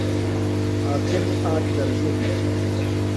عاقل آک درزی ہِنوۡ۔